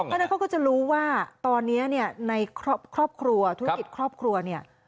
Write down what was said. เพราะฉะนั้นเขาก็จะรู้ว่าตอนนี้เนี่ยในครอบครัวธุรกิจครอบครัวเนี่ย